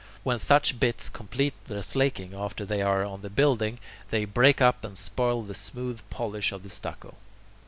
When such bits complete their slaking after they are on the building, they break up and spoil the smooth polish of the stucco.